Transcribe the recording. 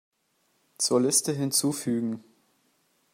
Zur Liste hinzufügen.